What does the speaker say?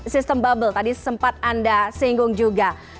sistem bubble tadi sempat anda singgung juga